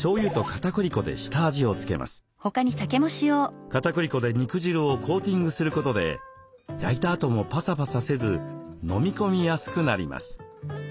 かたくり粉で肉汁をコーティングすることで焼いたあともパサパサせず飲み込みやすくなります。